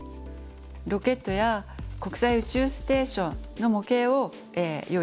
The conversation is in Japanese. ロケットや国際宇宙ステーションの模型を用意しました。